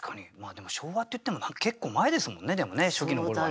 でも昭和っていっても結構前ですもんね初期の頃はね。